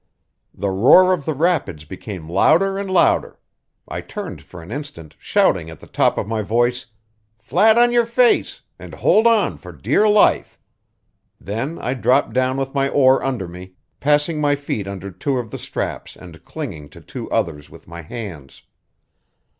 The roar of the rapids became louder and louder. I turned for an instant, shouting at the top of my voice: "Flat on your faces, and hold on for dear life!" Then I dropped down with my oar under me, passing my feet under two of the straps and clinging to two others with my hands.